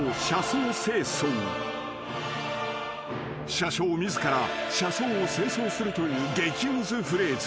［車掌自ら車窓を清掃するという激ムズフレーズ］